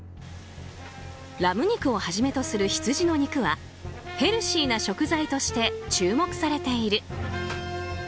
ラム肉をはじめとする羊の肉はヘルシーな食材として注目されている。